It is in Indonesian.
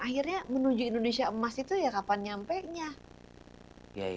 akhirnya menuju indonesia emas itu ya kapan nyampenya